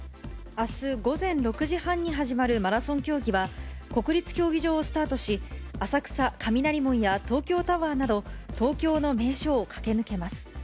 あす午前６時半に始まるマラソン競技は、国立競技場をスタートし、浅草・雷門や東京タワーなど、東京の名所を駆け抜けます。